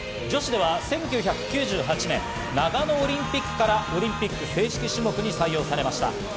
女子では１９９８年、長野オリンピックからオリンピック正式種目に選ばれました。